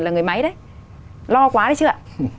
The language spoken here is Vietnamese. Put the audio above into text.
là người máy đấy lo quá đấy chứ ạ